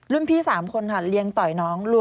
รุ่นพี่๓คนค่ะเรียนต่อยน้องรัว